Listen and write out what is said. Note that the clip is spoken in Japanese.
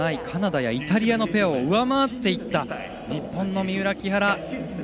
カナダやイタリアのペアを上回っていった日本の三浦、木原。